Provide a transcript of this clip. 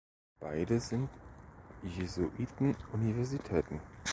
Beide sind Jesuiten-Universitäten.